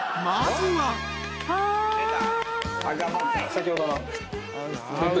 先ほどの。